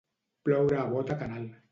Ploure a bota canal.